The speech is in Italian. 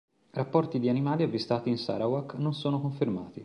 Rapporti di animali avvistati in Sarawak non sono confermati.